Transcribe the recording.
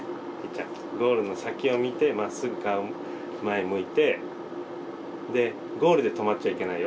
ちゃんゴールの先を見てまっすぐ顔前向いてでゴールで止まっちゃいけないよ。